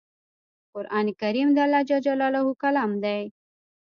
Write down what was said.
قرآن کریم د الله ج کلام دی